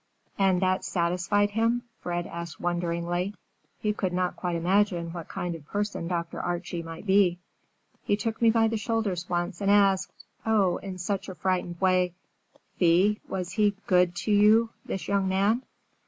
"And that satisfied him?" Fred asked wonderingly. He could not quite imagine what kind of person Dr. Archie might be. "He took me by the shoulders once and asked, oh, in such a frightened way, 'Thea, was he good to you, this young man?